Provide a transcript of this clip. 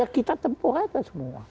kita tempuh aja semua